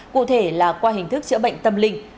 cụ thể là qua hình thức chữa bệnh tâm linh